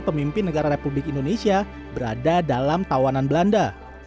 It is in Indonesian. pemimpin negara republik indonesia berada dalam tawanan belanda